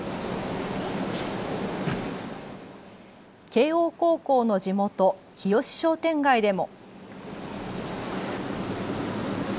慶応高校の地元、日吉商店街でも。